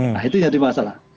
nah itu jadi masalah